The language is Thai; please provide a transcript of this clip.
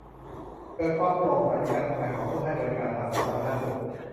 เกิดความโปร่งใสในการทำงานของผู้ให้บริการทางสาธารณสุข